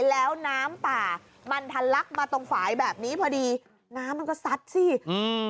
แล้วน้ำป่ามันทะลักมาตรงฝ่ายแบบนี้พอดีน้ำมันก็ซัดสิอืม